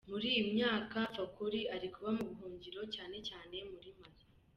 Muri iyi myaka Fakoly ari kuba mu buhungiro, cyane cyane muri Mali.